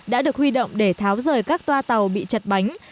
đã được huy động để tháo rời các toa tàu bị chật bánh